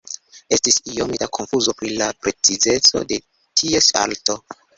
Estis iome da konfuzo pri la precizeco de ties alto.